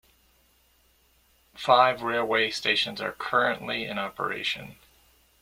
Five railway stations are currently in operation.